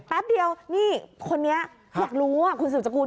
แป๊บเดียวนี่คนนี้อยากรู้คุณสืบสกุล